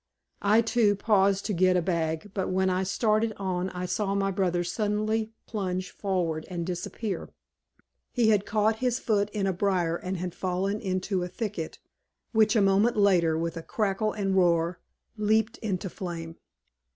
I, too, paused to get a bag, but when I started on I saw my brother suddenly plunge forward and disappear. "He had caught his foot in a briar and had fallen into a thicket which, a moment later, with a crackle and roar leaped into flame.